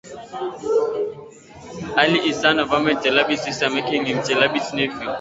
Ali is son of Ahmad Chalabi's sister, making him Chalabi's nephew.